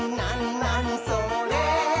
なにそれ？」